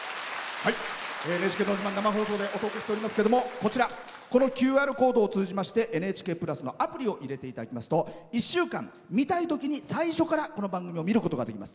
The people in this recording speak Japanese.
「ＮＨＫのど自慢」生放送でお届けしておりますけどこのＱＲコードを通じまして「ＮＨＫプラス」のアプリを入れていただきますと１週間、見たいときに最初からこの番組を見ることができます。